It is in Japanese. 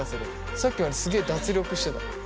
さっきまですげえ脱力してた。